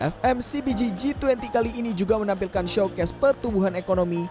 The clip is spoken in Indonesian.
fmcbg g dua puluh kali ini juga menampilkan showcase pertumbuhan ekonomi